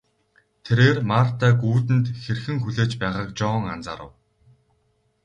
Тэрээр Мартаг үүдэнд хэрхэн хүлээж байгааг Жон анзаарав.